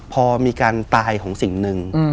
พอมีการตายของสิ่งหนึ่ง